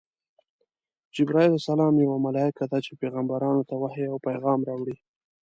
جبراییل ع یوه ملایکه ده چی پیغمبرانو ته وحی او پیغام راوړي.